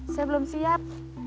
saya belum siap